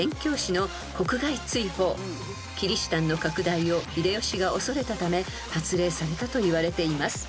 ［キリシタンの拡大を秀吉が恐れたため発令されたといわれています］